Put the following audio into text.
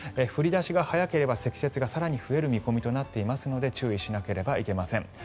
降り出しが早ければ積雪が更に増える見込みとなっていますので注意しなければいけません。